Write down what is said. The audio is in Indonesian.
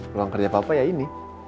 peluang kerja papa ya ini